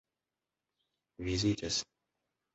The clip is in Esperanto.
vizitas